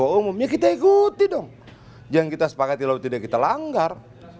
ketua umumnya kita ikuti dong jangan kita sepakat ilham tidak kita langgar